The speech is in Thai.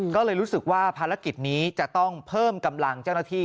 ก็เลยรู้สึกว่าภารกิจนี้จะต้องเพิ่มกำลังเจ้าหน้าที่